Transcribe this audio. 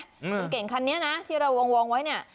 คุณเก่งคันนี้นะที่เราวงไว้เนี่ย